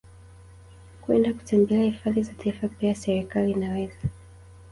kwenda kutembelea hifadhi za Taifa Pia serekali inaweza